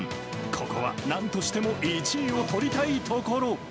ここはなんとしても１位を取りたいところ。